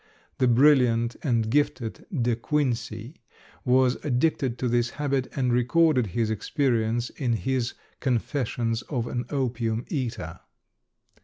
The brilliant and gifted De Quincey was addicted to this habit and recorded his experience in his "Confessions of an Opium Eater."